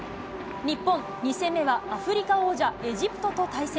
日本、２戦目はアフリカ王者、エジプトと対戦。